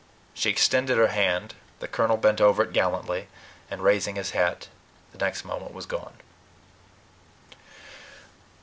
She extended her hand: the colonel bent over it gallantly and, raising his hat, the next moment was gone.